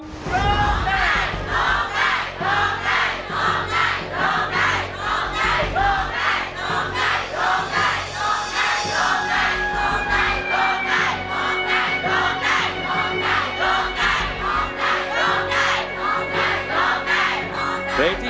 ร้องได้ร้องได้ร้องได้ร้องได้